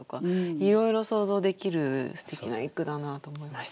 いろいろ想像できるすてきな一句だなと思いました。